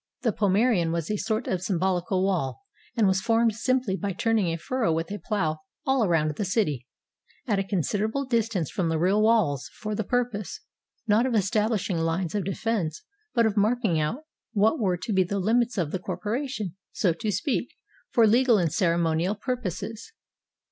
The 258 HOW ROME WAS FOUNDED pomcerium was a sort of symbolical wall, and was formed simply by turning a furrow with a plough all around the city, at a considerable distance from the real walls, for the purpose, not of estabUshing lines of defense, but of marking out what were to be the limits of the corpo ration, so to speak, for legal and ceremonial purposes.